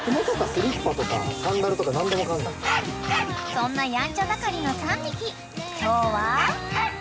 ［そんなヤンチャ盛りの３匹今日は］